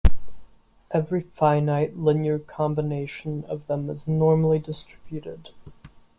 every finite linear combination of them is normally distributed.